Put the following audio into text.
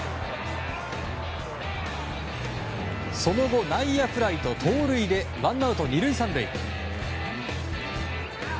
その後、内野フライと盗塁でワンアウト２、３塁。